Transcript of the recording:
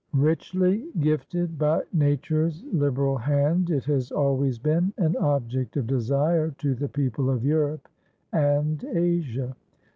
Richly gifted by Nature's liberal hand, it has always been an object of desire to the people of Europe and Asia.